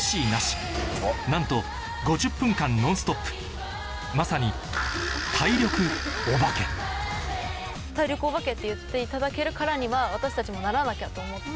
なんとまさに「体力おばけ」っていっていただけるからには私たちもならなきゃと思って。